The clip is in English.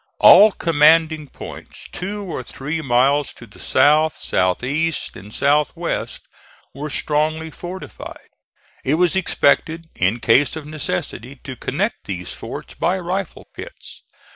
All commanding points two or three miles to the south, south east and south west were strongly fortified. It was expected in case of necessity to connect these forts by rifle pits.